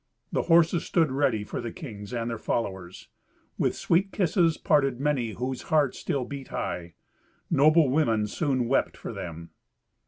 The horses stood ready for the kings and their followers. With sweet kisses parted many whose hearts still beat high. Noble women soon wept for them.